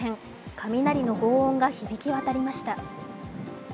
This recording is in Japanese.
雷のごう音が響き渡りました。